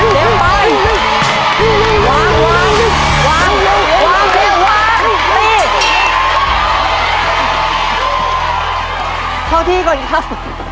เท่าที่ก่อนอีกครับ